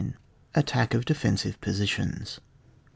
ATTACK OF DEFENSIVE POSITIONS.